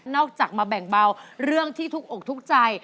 นอกจากมาแบ่งเบาเรื่องที่ทุกใจ